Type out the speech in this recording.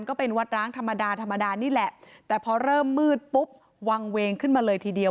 ก็เป็นวัดร้างธรรมดาธรรมดานี่แหละแต่พอเริ่มมืดปุ๊บวางเวงขึ้นมาเลยทีเดียว